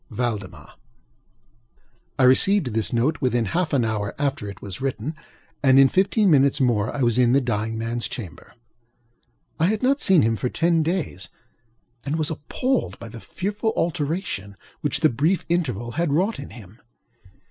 VALDEMAR I received this note within half an hour after it was written, and in fifteen minutes more I was in the dying manŌĆÖs chamber. I had not seen him for ten days, and was appalled by the fearful alteration which the brief interval had wrought in him.